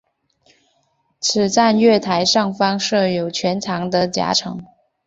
此站月台上方设有全长的夹层。